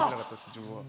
自分は。